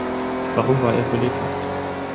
Warum war er so lebhaft?